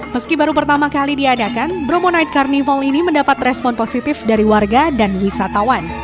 meski baru pertama kali diadakan bromo night carnival ini mendapat respon positif dari warga dan wisatawan